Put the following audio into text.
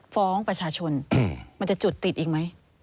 ฟ้องประชาชนมันจะจุดติดอีกไหม